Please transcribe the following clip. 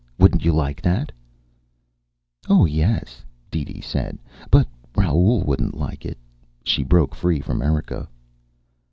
Wouldn't you like that?" "Oh, yes," DeeDee said. "But Raoul wouldn't like it." She broke free from Erika.